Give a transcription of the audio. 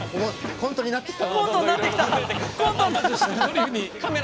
コントになってきた！